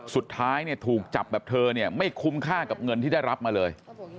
สุดท้ายเนี่ยถูกจับแบบเธอเนี่ยไม่คุ้มค่ากับเงินที่ได้รับมาเลย